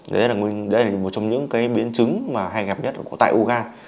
đây là một trong những biến chứng hay gặp nhất của tại ưu gan